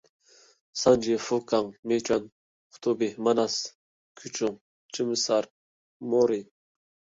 سانجى، فۇكاڭ، مىچۈەن، قۇتۇبى، ماناس، گۇچۇڭ، جىمىسار، مورى.